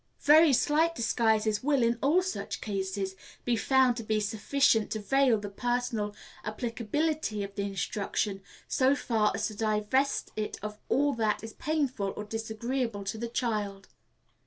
Very slight disguises will, in all such cases, be found to be sufficient to veil the personal applicability of the instruction, so far as to divest it of all that is painful or disagreeable to the child.